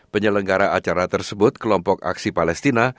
penyelenggara acara tersebut kelompok aksi palestina